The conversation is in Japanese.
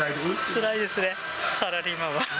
つらいですね、サラリーマンは。